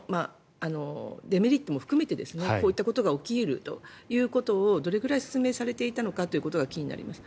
デメリットも含めてこういったことが起き得るということをどれくらい説明されていたのかということが気になります。